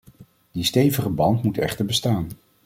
Die stevige band moet echter bestaan.